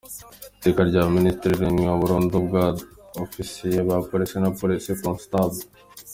Iteka rya Minisitiri ryirukana burundu ba Su –Ofisiye ba Polisi na Polisi Constantables .